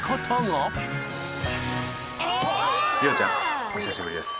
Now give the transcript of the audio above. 理央ちゃん、お久しぶりです。